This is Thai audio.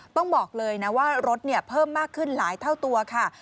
ต้องบอกเลยนะว่ารถเพิ่มมากขึ้นหลายเท่าตัวค่ะ